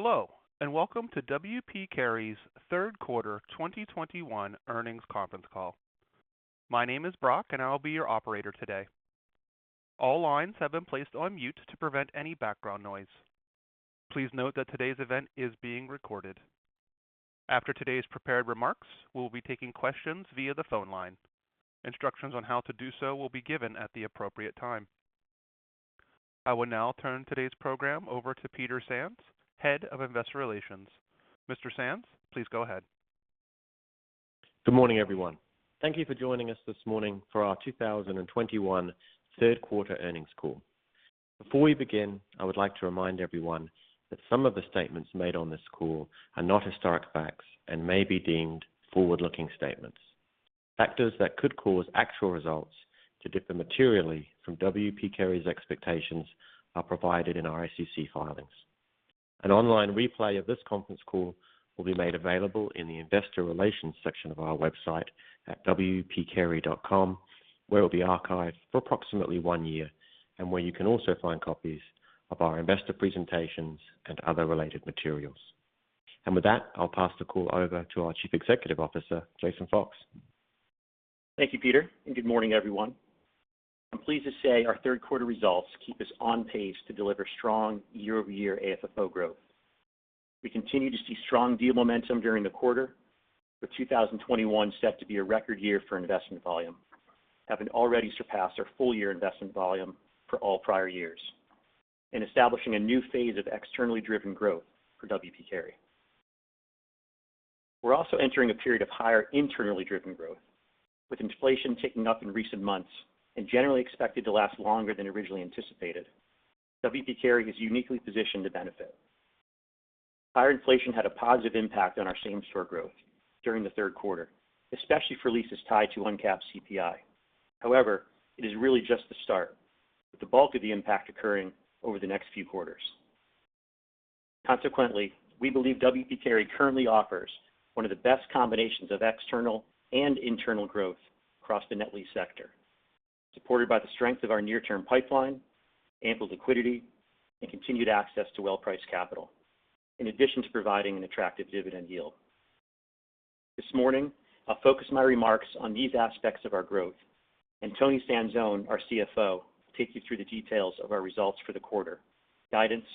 Hello, and welcome to W. P. Carey's Q3 2021 earnings conference call. My name is Brock, and I will be your operator today. All lines have been placed on mute to prevent any background noise. Please note that today's event is being recorded. After today's prepared remarks, we'll be taking questions via the phone line. Instructions on how to do so will be given at the appropriate time. I will now turn today's program over to Peter Sands, Head of Investor Relations. Mr. Sands, please go ahead. Good morning, everyone. Thank you for joining us this morning for our 2021 third quarter earnings call. Before we begin, I would like to remind everyone that some of the statements made on this call are not historic facts and may be deemed forward-looking statements. Factors that could cause actual results to differ materially from W. P. Carey's expectations are provided in our SEC filings. An online replay of this conference call will be made available in the investor relations section of our website at wpcarey.com, where it'll be archived for approximately one year, and where you can also find copies of our investor presentations and other related materials. With that, I'll pass the call over to our Chief Executive Officer, Jason Fox. Thank you, Peter, and good morning, everyone. I'm pleased to say our third quarter results keep us on pace to deliver strong year-over-year AFFO growth. We continue to see strong deal momentum during the quarter, with 2021 set to be a record year for investment volume, having already surpassed our full year investment volume for all prior years and establishing a new phase of externally driven growth for W. P. Carey. We're also entering a period of higher internally driven growth. With inflation ticking up in recent months and generally expected to last longer than originally anticipated, W. P. Carey is uniquely positioned to benefit. Higher inflation had a positive impact on our same-store growth during the third quarter, especially for leases tied to uncapped CPI. However, it is really just the start, with the bulk of the impact occurring over the next few quarters. Consequently, we believe W. P. Carey currently offers one of the best combinations of external and internal growth across the net lease sector, supported by the strength of our near-term pipeline, ample liquidity, and continued access to well-priced capital, in addition to providing an attractive dividend yield. This morning, I'll focus my remarks on these aspects of our growth, and Toni Sanzone, our CFO, will take you through the details of our results for the quarter, guidance,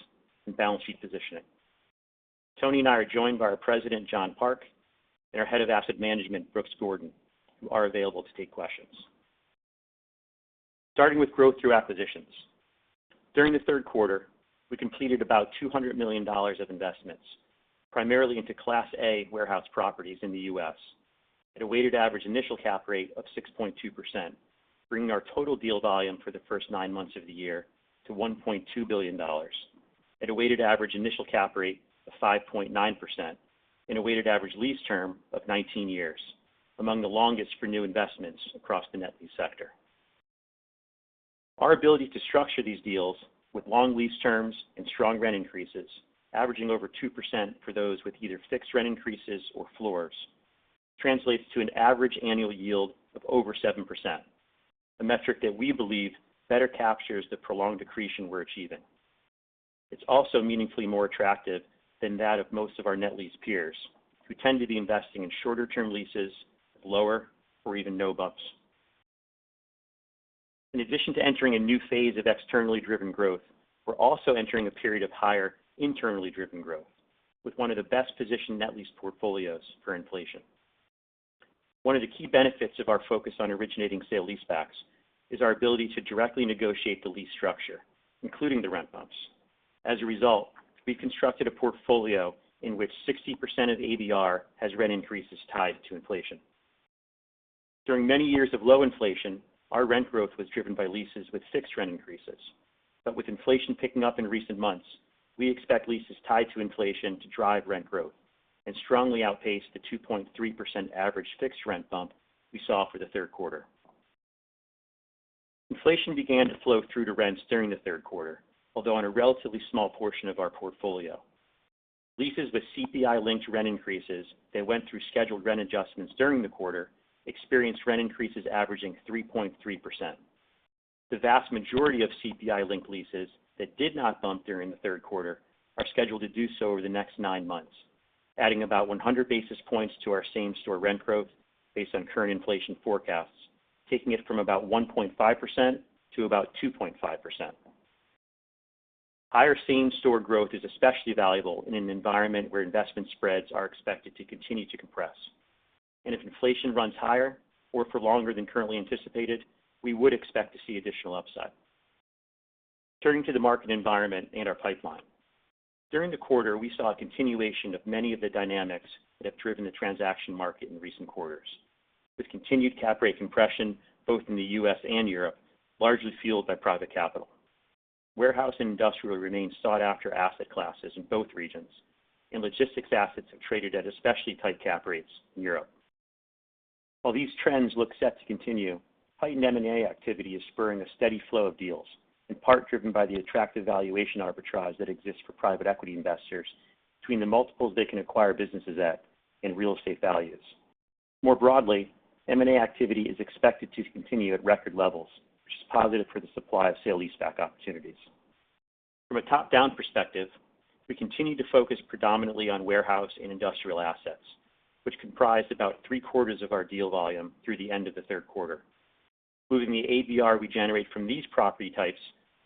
and balance sheet positioning. Toni and I are joined by our President, John Park, and our Head of Asset Management, Brooks Gordon, who are available to take questions. Starting with growth through acquisitions. During the third quarter, we completed about $200 million of investments, primarily into Class A warehouse properties in the U.S., at a weighted average initial cap rate of 6.2%, bringing our total deal volume for the first nine months of the year to $1.2 billion at a weighted average initial cap rate of 5.9% and a weighted average lease term of 19 years, among the longest for new investments across the net lease sector. Our ability to structure these deals with long lease terms and strong rent increases, averaging over 2% for those with either fixed rent increases or floors, translates to an average annual yield of over 7%, a metric that we believe better captures the prolonged accretion we're achieving. It's also meaningfully more attractive than that of most of our net lease peers, who tend to be investing in shorter-term leases with lower or even no bumps. In addition to entering a new phase of externally driven growth, we're also entering a period of higher internally driven growth with one of the best-positioned net lease portfolios for inflation. One of the key benefits of our focus on originating sale leasebacks is our ability to directly negotiate the lease structure, including the rent bumps. As a result, we constructed a portfolio in which 60% of ABR has rent increases tied to inflation. During many years of low inflation, our rent growth was driven by leases with fixed rent increases. With inflation picking up in recent months, we expect leases tied to inflation to drive rent growth and strongly outpace the 2.3% average fixed rent bump we saw for the third quarter. Inflation began to flow through to rents during the third quarter, although on a relatively small portion of our portfolio. Leases with CPI-linked rent increases that went through scheduled rent adjustments during the quarter experienced rent increases averaging 3.3%. The vast majority of CPI-linked leases that did not bump during the third quarter are scheduled to do so over the next nine months, adding about 100 basis points to our same-store rent growth based on current inflation forecasts, taking it from about 1.5% to about 2.5%. Higher same-store growth is especially valuable in an environment where investment spreads are expected to continue to compress. If inflation runs higher or for longer than currently anticipated, we would expect to see additional upside. Turning to the market environment and our pipeline. During the quarter, we saw a continuation of many of the dynamics that have driven the transaction market in recent quarters, with continued cap rate compression both in the U.S. and Europe, largely fueled by private capital. Warehouse and industrial remain sought-after asset classes in both regions, and logistics assets have traded at especially tight cap rates in Europe. While these trends look set to continue, heightened M&A activity is spurring a steady flow of deals, in part driven by the attractive valuation arbitrage that exists for private equity investors between the multiples they can acquire businesses at and real estate values. More broadly, M&A activity is expected to continue at record levels, which is positive for the supply of sale leaseback opportunities. From a top-down perspective, we continue to focus predominantly on warehouse and industrial assets, which comprise about three-quarters of our deal volume through the end of the third quarter. Moving the ABR we generate from these property types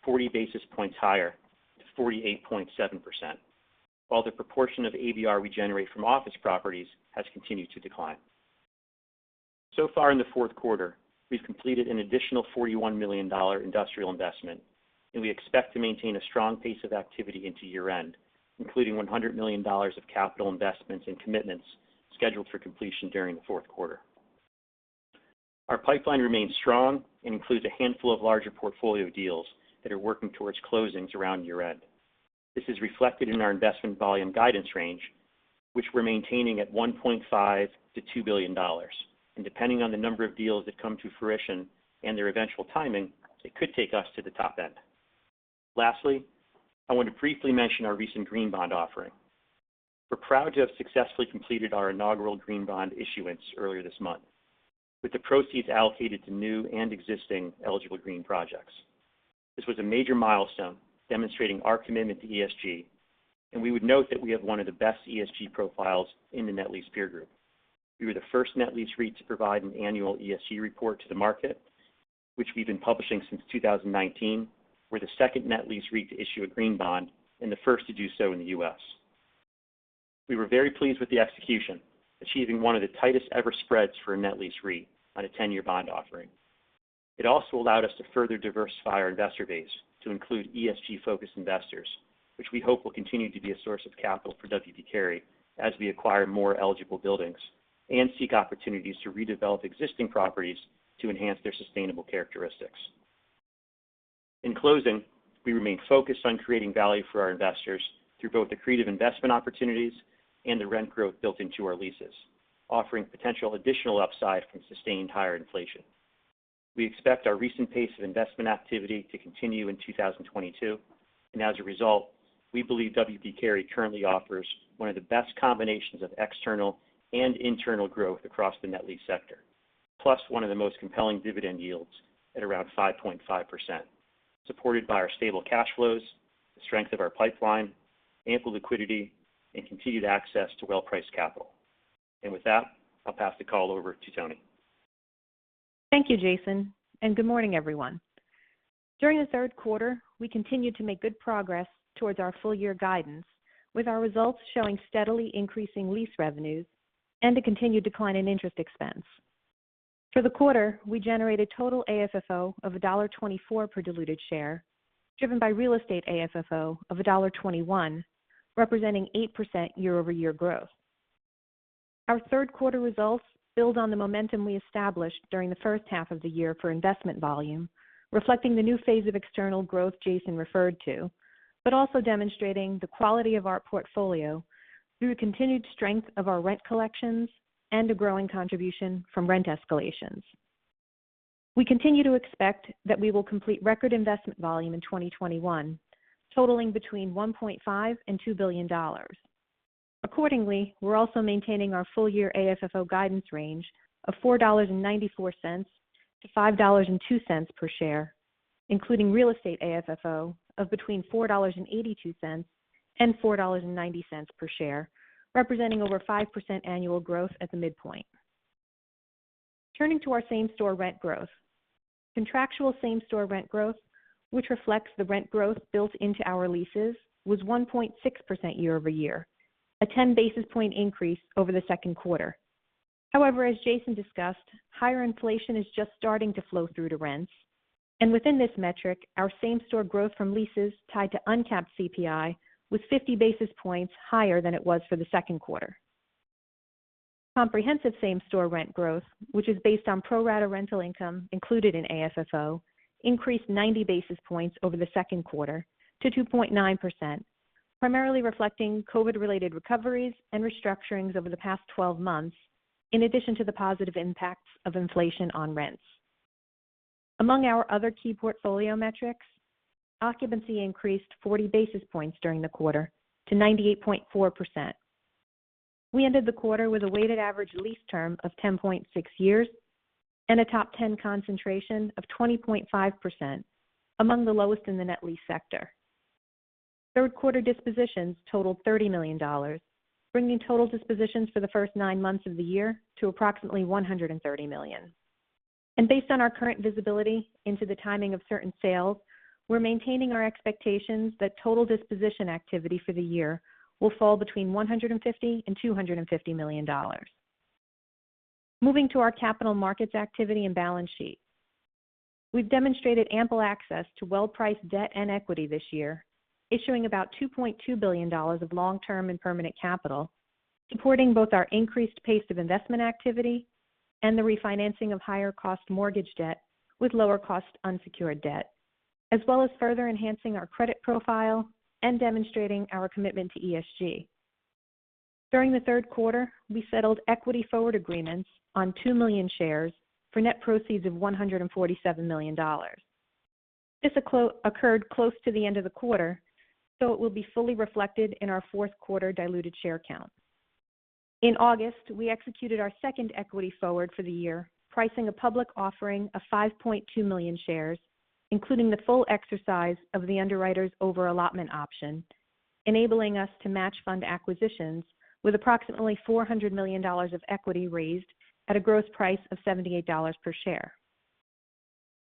40 basis points higher to 48.7%, while the proportion of ABR we generate from office properties has continued to decline. So far in the fourth quarter, we've completed an additional $41 million industrial investment, and we expect to maintain a strong pace of activity into year-end, including $100 million of capital investments and commitments scheduled for completion during the fourth quarter. Our pipeline remains strong and includes a handful of larger portfolio deals that are working towards closings around year-end. This is reflected in our investment volume guidance range, which we're maintaining at $1.5 billion-$2 billion. Depending on the number of deals that come to fruition and their eventual timing, it could take us to the top end. Lastly, I want to briefly mention our recent green bond offering. We're proud to have successfully completed our inaugural green bond issuance earlier this month, with the proceeds allocated to new and existing eligible green projects. This was a major milestone demonstrating our commitment to ESG, and we would note that we have one of the best ESG profiles in the net lease peer group. We were the first net lease REIT to provide an annual ESG report to the market, which we've been publishing since 2019. We're the second net lease REIT to issue a green bond and the first to do so in the U.S. We were very pleased with the execution, achieving one of the tightest ever spreads for a net lease REIT on a 10-year bond offering. It also allowed us to further diversify our investor base to include ESG-focused investors, which we hope will continue to be a source of capital for W. P. Carey as we acquire more eligible buildings and seek opportunities to redevelop existing properties to enhance their sustainable characteristics. In closing, we remain focused on creating value for our investors through both accretive investment opportunities and the rent growth built into our leases, offering potential additional upside from sustained higher inflation. We expect our recent pace of investment activity to continue in 2022. As a result, we believe W. P. Carey currently offers one of the best combinations of external and internal growth across the net lease sector, plus one of the most compelling dividend yields at around 5.5%, supported by our stable cash flows, the strength of our pipeline, ample liquidity, and continued access to well-priced capital. With that, I'll pass the call over to Toni. Thank you, Jason, and good morning, everyone. During the third quarter, we continued to make good progress towards our full year guidance, with our results showing steadily increasing lease revenues and a continued decline in interest expense. For the quarter, we generated total AFFO of $1.24 per diluted share, driven by real estate AFFO of $1.21, representing 8% year-over-year growth. Our third quarter results build on the momentum we established during the first half of the year for investment volume, reflecting the new phase of external growth Jason referred to, but also demonstrating the quality of our portfolio through continued strength of our rent collections and a growing contribution from rent escalations. We continue to expect that we will complete record investment volume in 2021, totaling between $1.5 billion and $2 billion. Accordingly, we're also maintaining our full year AFFO guidance range of $4.94-$5.02 per share, including real estate AFFO of between $4.82 and $4.90 per share, representing over 5% annual growth at the midpoint. Turning to our same-store rent growth. Contractual same-store rent growth, which reflects the rent growth built into our leases, was 1.6% year-over-year, a 10 basis points increase over the second quarter. However, as Jason discussed, higher inflation is just starting to flow through to rents. Within this metric, our same-store growth from leases tied to uncapped CPI was 50 basis points higher than it was for the second quarter. Comprehensive same-store rent growth, which is based on pro-rata rental income included in AFFO, increased 90 basis points over the second quarter to 2.9%, primarily reflecting COVID-related recoveries and restructurings over the past twelve months, in addition to the positive impacts of inflation on rents. Among our other key portfolio metrics, occupancy increased 40 basis points during the quarter to 98.4%. We ended the quarter with a weighted average lease term of 10.6 years and a top 10 concentration of 20.5%, among the lowest in the net lease sector. Third quarter dispositions totaled $30 million, bringing total dispositions for the first nine months of the year to approximately $130 million. Based on our current visibility into the timing of certain sales, we're maintaining our expectations that total disposition activity for the year will fall between $150 million and $250 million. Moving to our capital markets activity and balance sheet. We've demonstrated ample access to well-priced debt and equity this year, issuing about $2.2 billion of long-term and permanent capital, supporting both our increased pace of investment activity and the refinancing of higher cost mortgage debt with lower cost unsecured debt, as well as further enhancing our credit profile and demonstrating our commitment to ESG. During the third quarter, we settled equity forward agreements on 2 million shares for net proceeds of $147 million. This occurred close to the end of the quarter, so it will be fully reflected in our fourth quarter diluted share count. In August, we executed our second equity forward for the year, pricing a public offering of 5.2 million shares, including the full exercise of the underwriter's over-allotment option, enabling us to match fund acquisitions with approximately $400 million of equity raised at a gross price of $78 per share.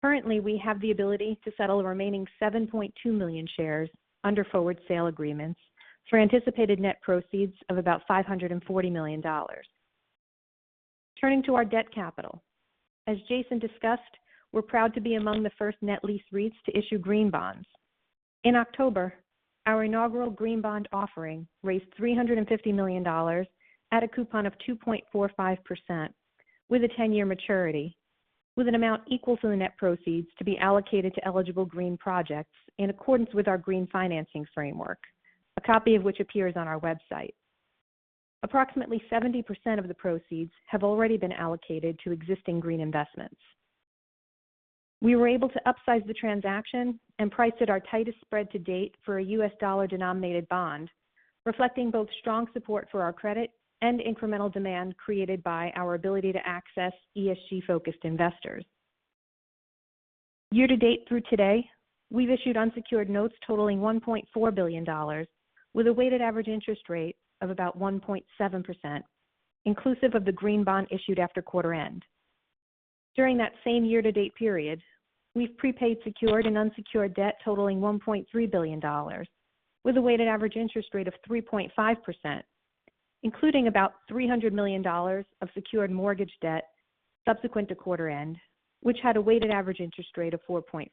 Currently, we have the ability to settle the remaining 7.2 million shares under forward sale agreements for anticipated net proceeds of about $540 million. Turning to our debt capital. As Jason discussed, we're proud to be among the first net lease REITs to issue green bonds. In October, our inaugural green bond offering raised $350 million at a coupon of 2.45% with a 10-year maturity, with an amount equal to the net proceeds to be allocated to eligible green projects in accordance with our green financing framework, a copy of which appears on our website. Approximately 70% of the proceeds have already been allocated to existing green investments. We were able to upsize the transaction and price it our tightest spread to date for a U.S. dollar-denominated bond, reflecting both strong support for our credit and incremental demand created by our ability to access ESG-focused investors. Year-to-date through today, we've issued unsecured notes totaling $1.4 billion with a weighted average interest rate of about 1.7%, inclusive of the green bond issued after quarter end. During that same year-to-date period, we've prepaid secured and unsecured debt totaling $1.3 billion with a weighted average interest rate of 3.5%, including about $300 million of secured mortgage debt subsequent to quarter end, which had a weighted average interest rate of 4.4%.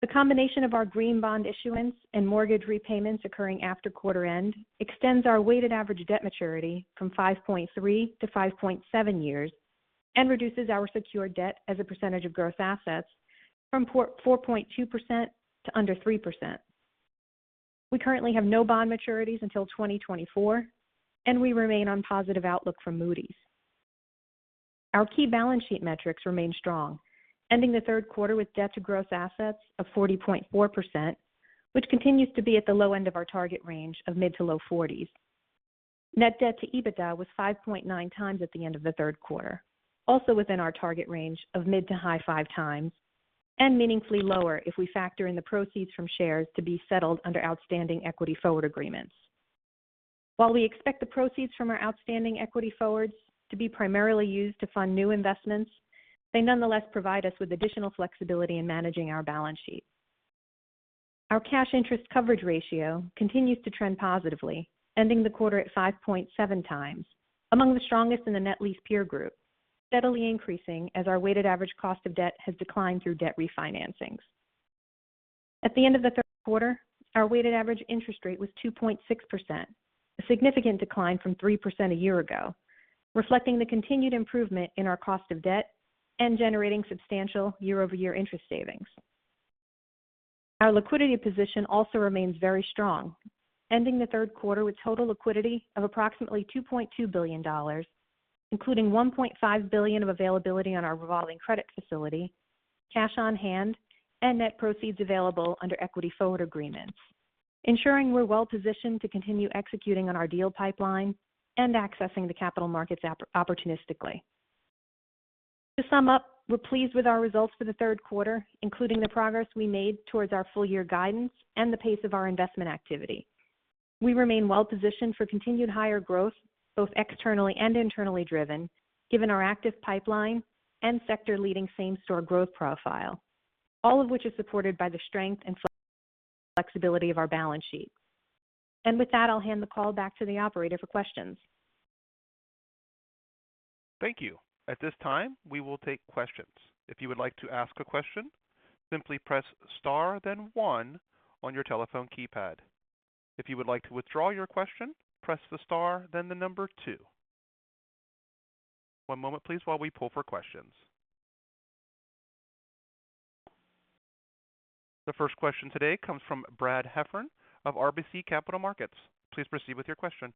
The combination of our green bond issuance and mortgage repayments occurring after quarter end extends our weighted average debt maturity from 5.3 years-5.7 years and reduces our secured debt as a percentage of gross assets from 4.2% to under 3%. We currently have no bond maturities until 2024, and we remain on positive outlook for Moody's. Our key balance sheet metrics remain strong, ending the third quarter with debt to gross assets of 40.4%, which continues to be at the low end of our target range of mid- to low-40s%. Net debt to EBITDA was 5.9x at the end of the third quarter, also within our target range of mid- to high-5x, and meaningfully lower if we factor in the proceeds from shares to be settled under outstanding equity forward agreements. While we expect the proceeds from our outstanding equity forwards to be primarily used to fund new investments, they nonetheless provide us with additional flexibility in managing our balance sheet. Our cash interest coverage ratio continues to trend positively, ending the quarter at 5.7x, among the strongest in the net lease peer group, steadily increasing as our weighted average cost of debt has declined through debt refinancings. At the end of the third quarter, our weighted average interest rate was 2.6%, a significant decline from 3% a year ago, reflecting the continued improvement in our cost of debt and generating substantial year-over-year interest savings. Our liquidity position also remains very strong, ending the third quarter with total liquidity of approximately $2.2 billion, including $1.5 billion of availability on our revolving credit facility, cash on hand, and net proceeds available under equity forward agreements, ensuring we're well positioned to continue executing on our deal pipeline and accessing the capital markets opportunistically. To sum up, we're pleased with our results for the third quarter, including the progress we made towards our full year guidance and the pace of our investment activity. We remain well positioned for continued higher growth, both externally and internally driven, given our active pipeline and sector-leading same-store growth profile, all of which is supported by the strength and flexibility of our balance sheet. With that, I'll hand the call back to the operator for questions. Thank you. At this time, we will take questions. If you would like to ask a question, simply press star then one on your telephone keypad. If you would like to withdraw your question, press the star then the number two. One moment, please, while we pull for questions. The first question today comes from Brad Heffern of RBC Capital Markets. Please proceed with your question.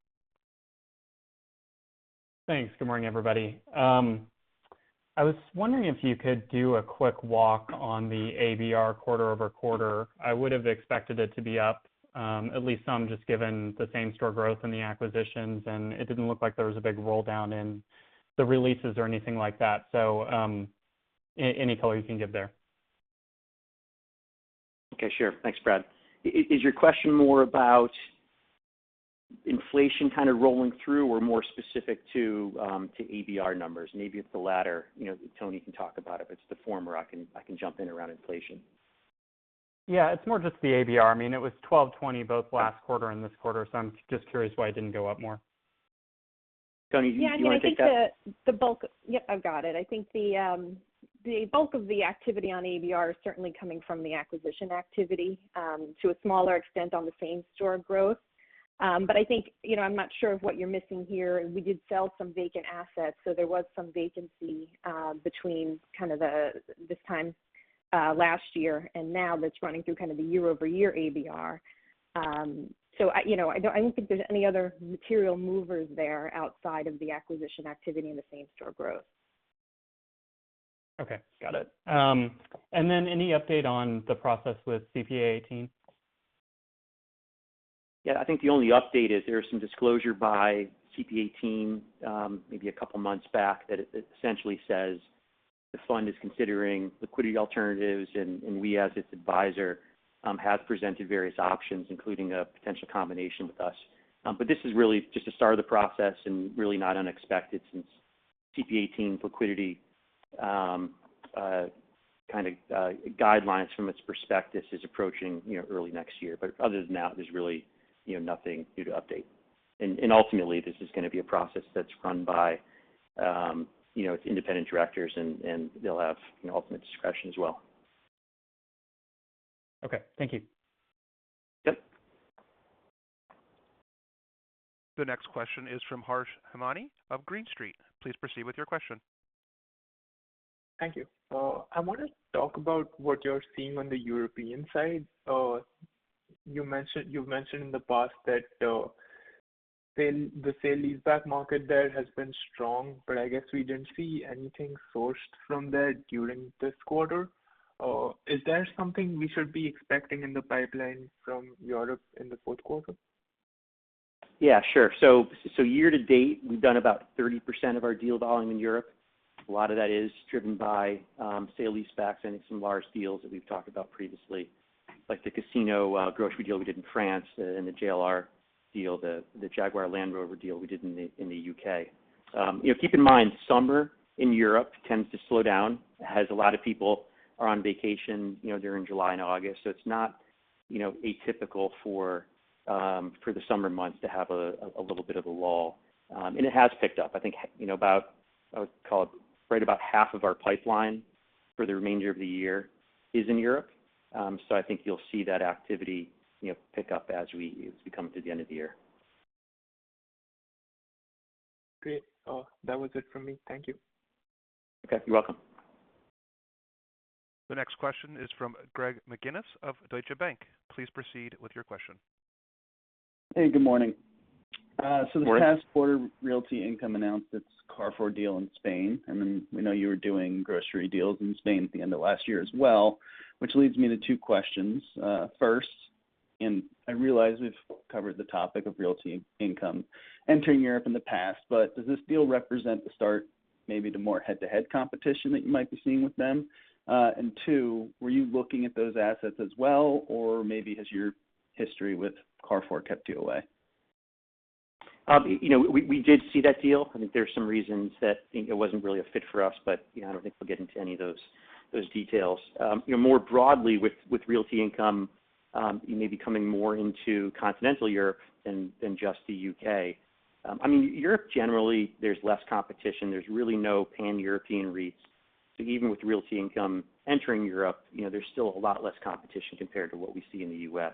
Thanks. Good morning, everybody. I was wondering if you could do a quick walk on the ABR quarter-over-quarter. I would have expected it to be up, at least some, just given the same-store growth and the acquisitions, and it didn't look like there was a big roll down in the releases or anything like that. Any color you can give there. Okay, sure. Thanks, Brad. Is your question more about inflation kind of rolling through or more specific to ABR numbers? Maybe it's the latter. You know, Toni can talk about if it's the former. I can jump in around inflation. Yeah, it's more just the ABR. I mean, it was 12.20 both last quarter and this quarter, so I'm just curious why it didn't go up more. Toni, do you want to take that? Yeah. No, I think the bulk of the activity on ABR is certainly coming from the acquisition activity, to a smaller extent on the same-store growth. I think, you know, I'm not sure of what you're missing here. We did sell some vacant assets, so there was some vacancy between this time last year and now that's running through the year-over-year ABR. I, you know, I don't think there's any other material movers there outside of the acquisition activity and the same-store growth. Okay. Got it. Any update on the process with CPA:18? Yeah, I think the only update is there was some disclosure by CPA:18, maybe a couple of months back that it essentially says the fund is considering liquidity alternatives, and we as its advisor have presented various options, including a potential combination with us. This is really just the start of the process and really not unexpected since CPA:18 liquidity guidelines from its prospectus is approaching, you know, early next year. Other than that, there's really, you know, nothing new to update. Ultimately, this is gonna be a process that's run by, you know, its independent directors and they'll have, you know, ultimate discretion as well. Okay. Thank you. Yep. The next question is from Harsh Hemnani of Green Street. Please proceed with your question. Thank you. I wanna talk about what you're seeing on the European side. You've mentioned in the past that the sale-leaseback market there has been strong, but I guess we didn't see anything sourced from there during this quarter. Is there something we should be expecting in the pipeline from Europe in the fourth quarter? Yeah, sure. Year to date, we've done about 30% of our deal volume in Europe. A lot of that is driven by sale-leasebacks. I think some large deals that we've talked about previously, like the Casino grocery deal we did in France and the JLR deal, the Jaguar Land Rover deal we did in the U.K. You know, keep in mind, summer in Europe tends to slow down, as a lot of people are on vacation, you know, during July and August. It's not, you know, atypical for the summer months to have a little bit of a lull. It has picked up. I think, you know, about, I would call it right about half of our pipeline for the remainder of the year is in Europe. I think you'll see that activity, you know, pick up as we come to the end of the year. Great. That was it from me. Thank you. Okay. You're welcome. The next question is from Greg McGinniss of Scotiabank. Please proceed with your question. Hey, good morning. Morning. This past quarter, Realty Income announced its Carrefour deal in Spain. I mean, we know you were doing grocery deals in Spain at the end of last year as well, which leads me to two questions. First, I realize we've covered the topic of Realty Income entering Europe in the past, but does this deal represent the start maybe to more head-to-head competition that you might be seeing with them? Two, were you looking at those assets as well, or maybe has your history with Carrefour kept you away? You know, we did see that deal. I think there are some reasons that, you know, it wasn't really a fit for us, but, you know, I don't think we'll get into any of those details. You know, more broadly with Realty Income, you may be coming more into continental Europe than just the U.K. I mean, Europe generally, there's less competition. There's really no pan-European REITs. So even with Realty Income entering Europe, you know, there's still a lot less competition compared to what we see in the U.S.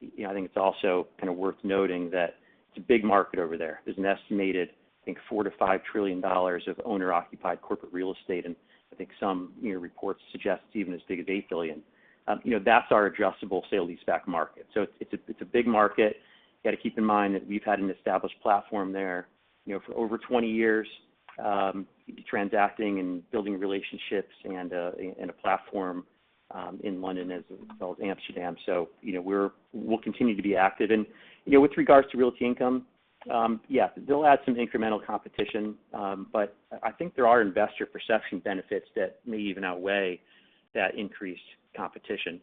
You know, I think it's also kind of worth noting that it's a big market over there. There's an estimated, I think, $4 trillion-$5 trillion of owner-occupied corporate real estate, and I think some, you know, reports suggest even as big as $8 trillion. You know, that's our adjustable sale-leaseback market. It's a big market. You gotta keep in mind that we've had an established platform there, you know, for over 20 years, transacting and building relationships and a platform in London, as well as Amsterdam. You know, we'll continue to be active. You know, with regards to Realty Income, yeah, they'll add some incremental competition. But I think there are investor perception benefits that may even outweigh that increased competition.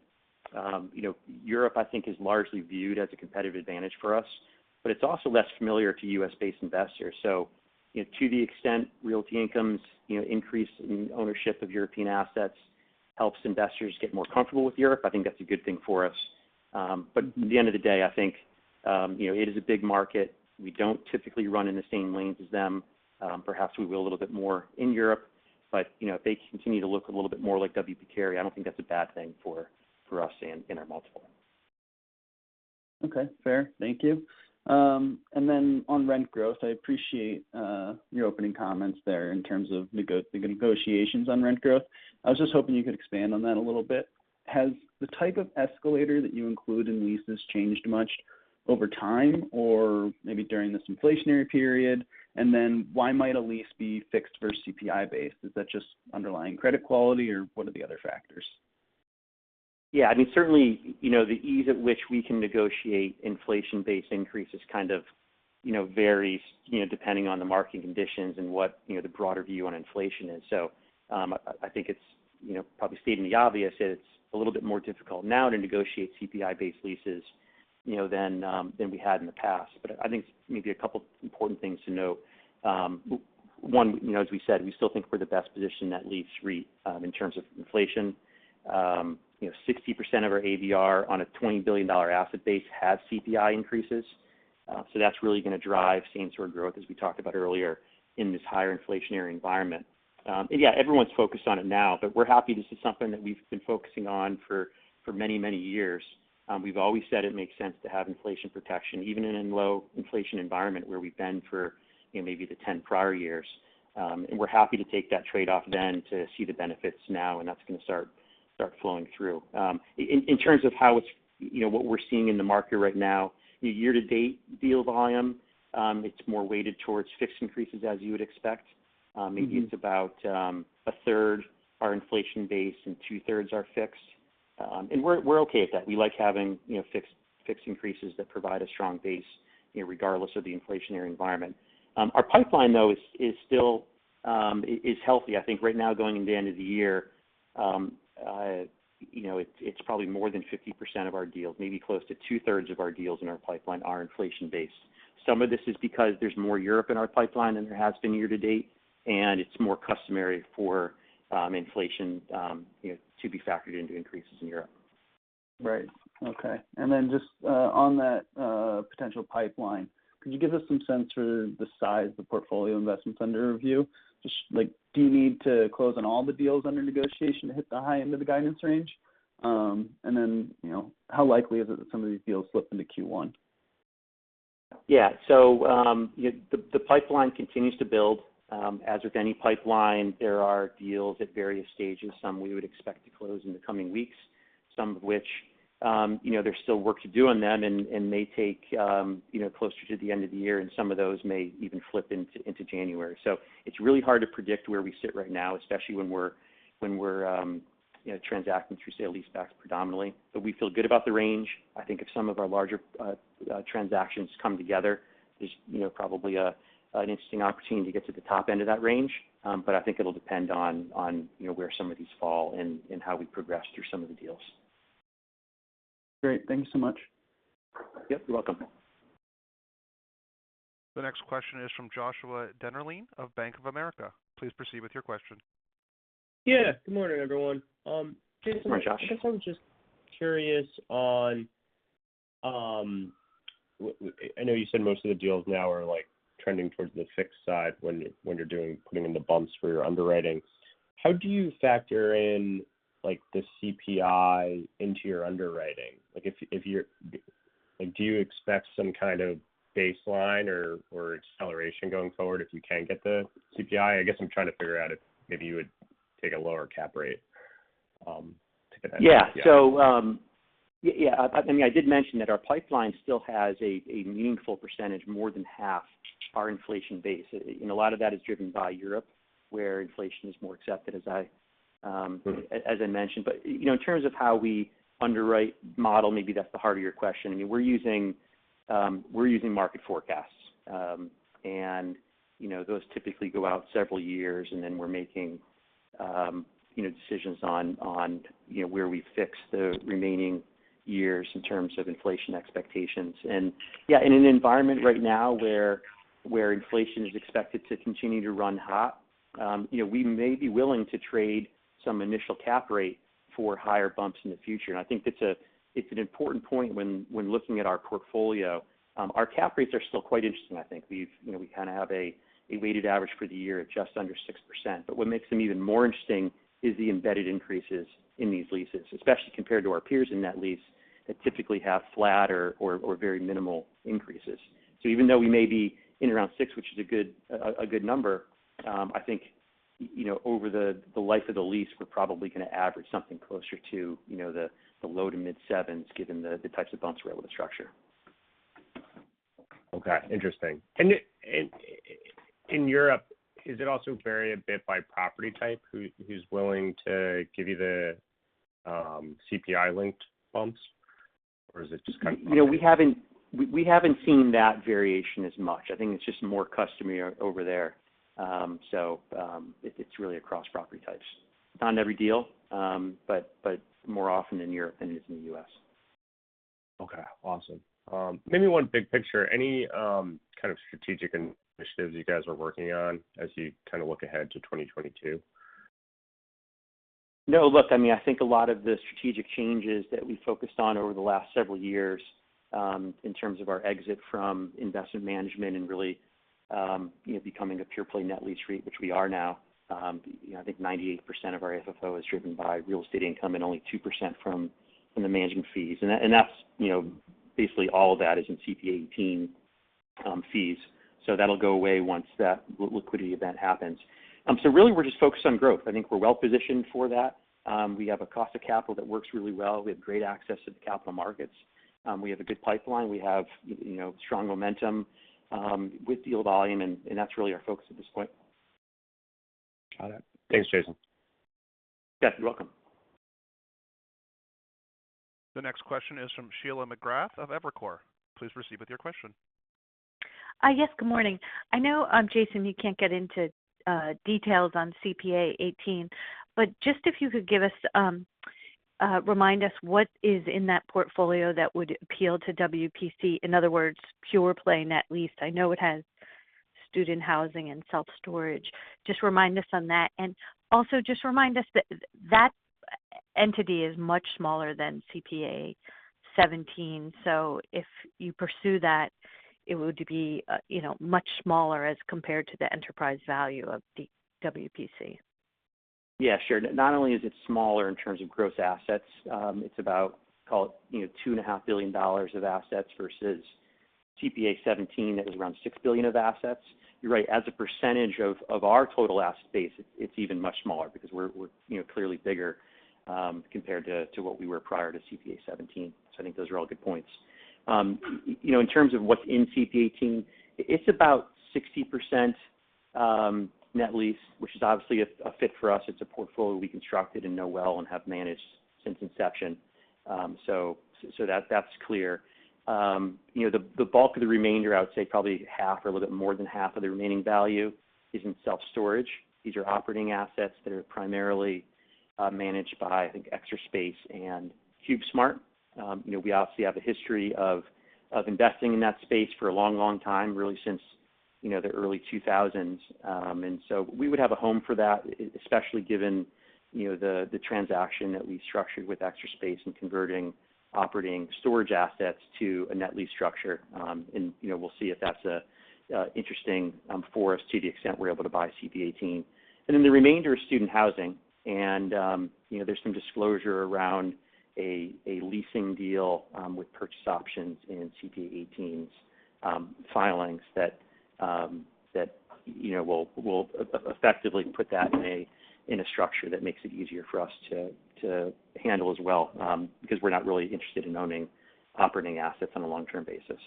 You know, Europe, I think, is largely viewed as a competitive advantage for us, but it's also less familiar to U.S.-based investors. You know, to the extent Realty Income's increase in ownership of European assets helps investors get more comfortable with Europe, I think that's a good thing for us. At the end of the day, I think, you know, it is a big market. We don't typically run in the same lanes as them. Perhaps we will a little bit more in Europe, but, you know, if they continue to look a little bit more like W. P. Carey, I don't think that's a bad thing for us and in our multiple. Okay. Fair. Thank you. On rent growth, I appreciate your opening comments there in terms of the negotiations on rent growth. I was just hoping you could expand on that a little bit. Has the type of escalator that you include in leases changed much over time or maybe during this inflationary period? Why might a lease be fixed or CPI-based? Is that just underlying credit quality or what are the other factors? Yeah. I mean, certainly, you know, the ease at which we can negotiate inflation-based increases kind of, you know, varies, you know, depending on the market conditions and what, you know, the broader view on inflation is. I think it's, you know, probably stating the obvious that it's a little bit more difficult now to negotiate CPI-based leases, you know, than we had in the past. I think maybe a couple important things to note. One, you know, as we said, we still think we're the best positioned net lease REIT in terms of inflation. You know, 60% of our ABR on a $20 billion asset base has CPI increases. That's really gonna drive same-store growth as we talked about earlier in this higher inflationary environment. Yeah, everyone's focused on it now, but we're happy this is something that we've been focusing on for many years. We've always said it makes sense to have inflation protection, even in a low inflation environment where we've been for, you know, maybe the 10 prior years. We're happy to take that trade-off then to see the benefits now, and that's gonna start flowing through. In terms of how it's, you know, what we're seeing in the market right now, year-to-date deal volume, it's more weighted towards fixed increases, as you would expect. Maybe it's about a third are inflation based and two-thirds are fixed. We're okay with that. We like having, you know, fixed increases that provide a strong base, you know, regardless of the inflationary environment. Our pipeline, though, is still healthy. I think right now going into the end of the year, you know, it's probably more than 50% of our deals, maybe close to two-thirds of our deals in our pipeline are inflation based. Some of this is because there's more Europe in our pipeline than there has been year to date, and it's more customary for inflation, you know, to be factored into increases in Europe. Right. Okay. Just on that potential pipeline, could you give us some sense for the size of the portfolio investments under review? Just like, do you need to close on all the deals under negotiation to hit the high end of the guidance range? You know, how likely is it that some of these deals slip into Q1? Yeah. The pipeline continues to build. As with any pipeline, there are deals at various stages. Some we would expect to close in the coming weeks, some of which, you know, there's still work to do on them and may take, you know, closer to the end of the year, and some of those may even flip into January. It's really hard to predict where we sit right now, especially when we're transacting through sale-leasebacks predominantly. We feel good about the range. I think if some of our larger transactions come together, there's you know probably an interesting opportunity to get to the top end of that range. I think it'll depend on you know where some of these fall and how we progress through some of the deals. Great. Thank you so much. Yep, you're welcome. The next question is from Joshua Dennerlein of Bank of America. Please proceed with your question. Yeah. Good morning, everyone. Jason- Good morning, Josh. I guess I'm just curious on. I know you said most of the deals now are like trending towards the fixed side when you're putting in the bumps for your underwriting. How do you factor in, like, the CPI into your underwriting? Like, if you're like, do you expect some kind of baseline or acceleration going forward if you can get the CPI? I guess I'm trying to figure out if maybe you would take a lower cap rate to get that. Yeah. I mean, I did mention that our pipeline still has a meaningful percentage, more than half are inflation based. A lot of that is driven by Europe, where inflation is more accepted, as I mentioned. You know, in terms of how we underwriting model, maybe that's the heart of your question. I mean, we're using market forecasts. You know, those typically go out several years, and then we're making you know, decisions on you know, where we fix the remaining years in terms of inflation expectations. Yeah, in an environment right now where inflation is expected to continue to run hot, you know, we may be willing to trade some initial cap rate for higher bumps in the future. I think it's an important point when looking at our portfolio. Our cap rates are still quite interesting, I think. You know, we kind of have a weighted average for the year at just under 6%. What makes them even more interesting is the embedded increases in these leases, especially compared to our peers in net lease that typically have flat or very minimal increases. Even though we may be in around 6%, which is a good number, I think, you know, over the life of the lease, we're probably gonna average something closer to, you know, the low- to mid-7s% given the types of bumps we're able to structure. Okay. Interesting. In Europe, is it also vary a bit by property type who's willing to give you the CPI-linked bumps, or is it just kind of- You know, we haven't seen that variation as much. I think it's just more customary over there. It's really across property types. Not every deal, but more often in Europe than it is in the U.S. Okay. Awesome. Maybe one big picture. Any kind of strategic initiatives you guys are working on as you kind of look ahead to 2022? No, look, I mean, I think a lot of the strategic changes that we focused on over the last several years, in terms of our exit from investment management and really, you know, becoming a pure-play net lease REIT, which we are now, you know, I think 98% of our AFFO is driven by real estate income and only 2% from the management fees. And that's, you know, basically all of that is in CPA:18 fees. That'll go away once that liquidity event happens. Really we're just focused on growth. I think we're well-positioned for that. We have a cost of capital that works really well. We have great access to the capital markets. We have a good pipeline. We have, you know, strong momentum with deal volume, and that's really our focus at this point. Got it. Thanks, Jason. Yeah. You're welcome. The next question is from Sheila McGrath of Evercore. Please proceed with your question. Yes, good morning. I know, Jason, you can't get into details on CPA:18, but just if you could remind us what is in that portfolio that would appeal to WPC. In other words, pure play net lease. I know it has student housing and self-storage. Just remind us on that. Also just remind us that that entity is much smaller than CPA:17. If you pursue that, it would be, you know, much smaller as compared to the enterprise value of the WPC. Yeah, sure. Not only is it smaller in terms of gross assets, it's about, call it, you know, $2.5 billion of assets versus CPA:17 that was around $6 billion of assets. You're right. As a percentage of our total asset base, it's even much smaller because we're you know clearly bigger compared to what we were prior to CPA:17. I think those are all good points. You know, in terms of what's in CPA:18, it's about 60% net lease, which is obviously a fit for us. It's a portfolio we constructed and know well and have managed since inception. So that's clear. You know, the bulk of the remainder, I would say probably half or a little bit more than half of the remaining value is in self-storage. These are operating assets that are primarily managed by, I think, Extra Space and CubeSmart. You know, we obviously have a history of investing in that space for a long, long time, really since the early 2000s. We would have a home for that, especially given the transaction that we structured with Extra Space in converting operating storage assets to a net lease structure. You know, we'll see if that's interesting for us to the extent we're able to buy CPA:18. Then the remainder is student housing and, you know, there's some disclosure around a leasing deal with purchase options in CPA:18's filings that, you know, we'll effectively put that in a structure that makes it easier for us to handle as well, because we're not really interested in owning operating assets on a long-term basis.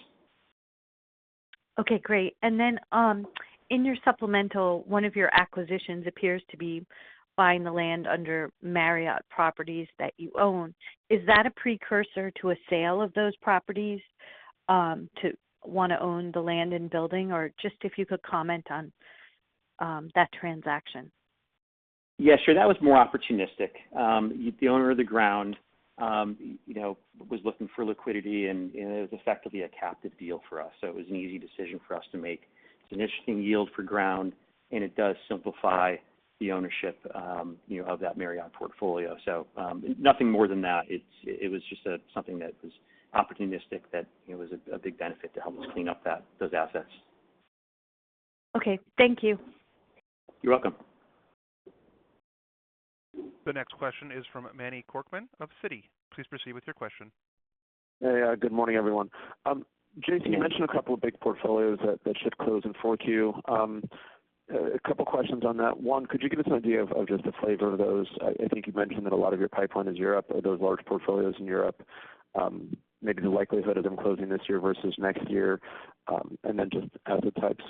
Okay, great. In your supplemental, one of your acquisitions appears to be buying the land under Marriott properties that you own. Is that a precursor to a sale of those properties, or do you want to own the land and building? Or, if you could just comment on that transaction. Yeah, sure. That was more opportunistic. The owner of the ground, you know, was looking for liquidity and it was effectively a captive deal for us, so it was an easy decision for us to make. It's an interesting yield for ground, and it does simplify the ownership, you know, of that Marriott portfolio. So, nothing more than that. It was just something that was opportunistic that, you know, was a big benefit to help us clean up those assets. Okay. Thank you. You're welcome. The next question is from Manny Korchman of Citi. Please proceed with your question. Hey. Good morning, everyone. Good morning. You mentioned a couple of big portfolios that should close in 4Q. A couple questions on that. One, could you give us an idea of just the flavor of those? I think you mentioned that a lot of your pipeline is Europe. Are those large portfolios in Europe, maybe the likelihood of them closing this year versus next year? Just asset types,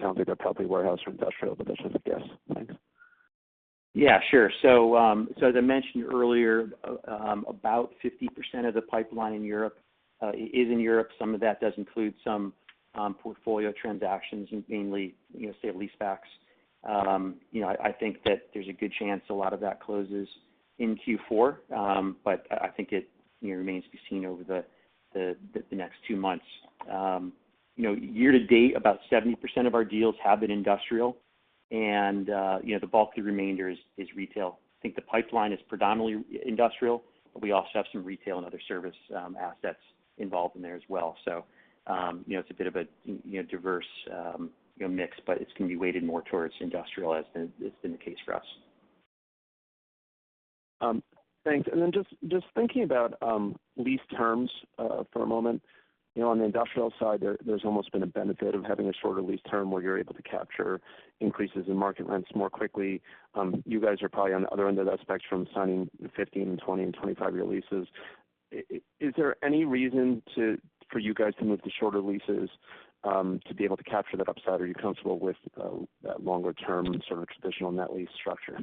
sounded like probably warehouse or industrial, but that's just a guess. Thanks. Yeah, sure. As I mentioned earlier, about 50% of the pipeline in Europe is in Europe. Some of that does include some portfolio transactions, mainly, you know, sale leasebacks. You know, I think that there's a good chance a lot of that closes in Q4. But I think it, you know, remains to be seen over the next two months. You know, year to date, about 70% of our deals have been industrial. The bulk of the remainder is retail. I think the pipeline is predominantly industrial, but we also have some retail and other service assets involved in there as well. You know, it's a bit of a, you know, diverse mix, but it's gonna be weighted more towards industrial as has been the case for us. Thanks. Just thinking about lease terms for a moment. You know, on the industrial side there's almost been a benefit of having a shorter lease term where you're able to capture increases in market rents more quickly. You guys are probably on the other end of that spectrum, signing 15-year, 20-year, and 25-year leases. Is there any reason for you guys to move to shorter leases to be able to capture that upside? Or are you comfortable with that longer term sort of traditional net lease structure?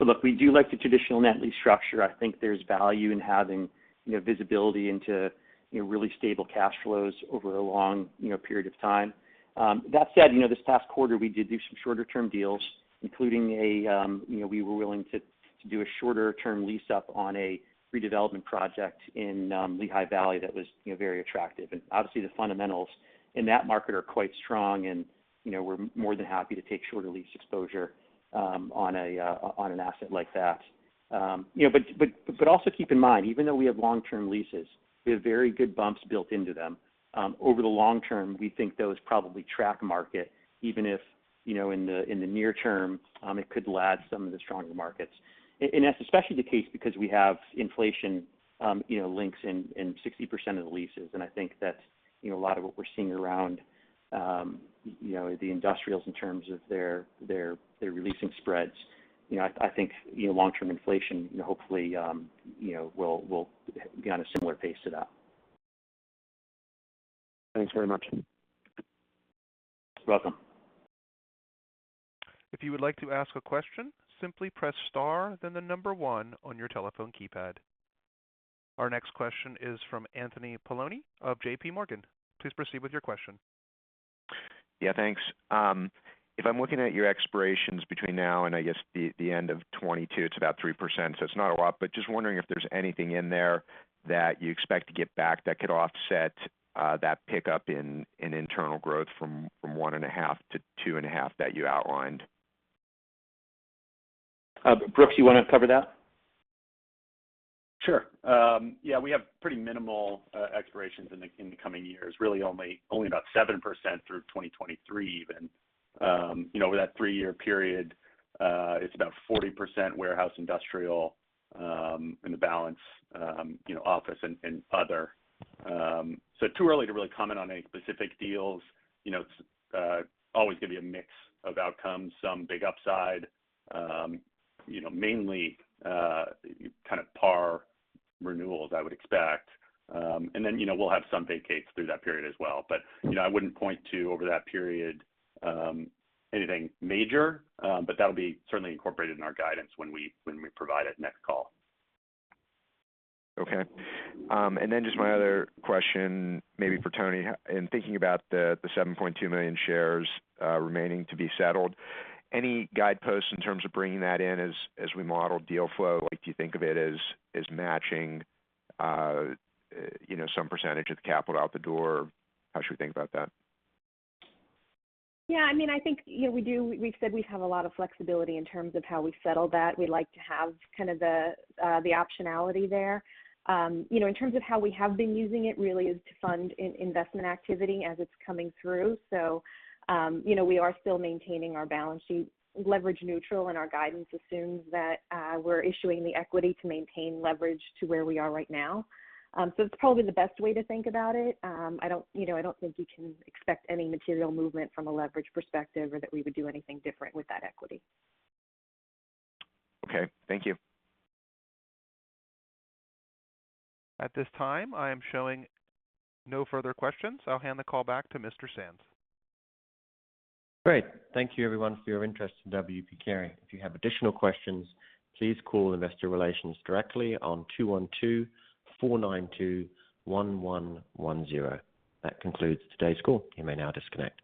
Look, we do like the traditional net lease structure. I think there's value in having, you know, visibility into, you know, really stable cash flows over a long, you know, period of time. That said, you know, this past quarter, we did do some shorter-term deals, including a, you know, we were willing to do a shorter-term lease-up on a redevelopment project in Lehigh Valley that was, you know, very attractive. Obviously the fundamentals in that market are quite strong and, you know, we're more than happy to take shorter lease exposure on an asset like that. You know, but also keep in mind, even though we have long-term leases, we have very good bumps built into them. Over the long term, we think those probably track market, even if, you know, in the near term, it could lag some of the stronger markets. That's especially the case because we have inflation, you know, links in 60% of the leases. I think that's, you know, a lot of what we're seeing around, you know, the industrials in terms of their releasing spreads. You know, I think, you know, long-term inflation, you know, hopefully, you know, will be on a similar pace to that. Thanks very much. You're welcome. If you would like to ask a question, simply press star then the number one on your telephone keypad. Our next question is from Anthony Paolone of JPMorgan. Please proceed with your question. Yeah, thanks. If I'm looking at your expirations between now and I guess the end of 2022, it's about 3%, so it's not a lot, but just wondering if there's anything in there that you expect to get back that could offset that pickup in internal growth from 1.5% to 2.5% that you outlined. Brooks, you wanna cover that? Sure. Yeah, we have pretty minimal expirations in the coming years. Really only about 7% through 2023 even. You know, over that three-year period, it's about 40% warehouse industrial, and the balance, you know, office and other. Too early to really comment on any specific deals. You know, it's always gonna be a mix of outcomes, some big upside. You know, mainly kind of par renewals, I would expect. Then, you know, we'll have some vacates through that period as well. You know, I wouldn't point to over that period anything major, but that'll be certainly incorporated in our guidance when we provide it next call. Okay. Just my other question maybe for Toni. In thinking about the 7.2 million shares remaining to be settled, any guideposts in terms of bringing that in as we model deal flow? Like, do you think of it as matching, you know, some percentage of the capital out the door? How should we think about that? Yeah, I mean, I think, you know, we've said we have a lot of flexibility in terms of how we settle that. We like to have kind of the optionality there. You know, in terms of how we have been using it really is to fund investment activity as it's coming through. We are still maintaining our balance sheet leverage neutral, and our guidance assumes that, we're issuing the equity to maintain leverage to where we are right now. So it's probably the best way to think about it. I don't, you know, I don't think you can expect any material movement from a leverage perspective or that we would do anything different with that equity. Okay, thank you. At this time, I am showing no further questions. I'll hand the call back to Mr. Sands. Great. Thank you everyone for your interest in W. P. Carey. If you have additional questions, please call investor relations directly on 212-492-1110. That concludes today's call. You may now disconnect.